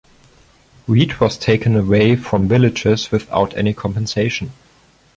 Wheat was taken away from villagers without any compensation.